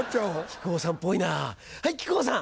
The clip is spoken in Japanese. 木久扇さんっぽいなぁはい木久扇さん。